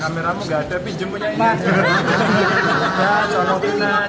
mana kameramu gak ada pinjem punya ini